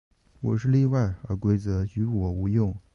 我是例外，而规则于我无用。